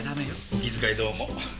お気遣いどうも。